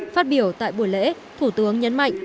phát biểu tại buổi lễ thủ tướng nhấn mạnh